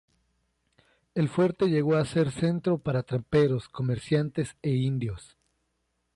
El fuerte llegó a ser centro para tramperos, comerciantes e indios.